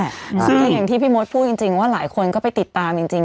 ซึ่งอย่างที่พี่มดพูดจริงว่าหลายคนก็ไปติดตามจริง